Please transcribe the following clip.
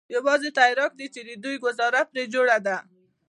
يوازې ترياک دي چې د دوى گوزاره پرې جوړه ده.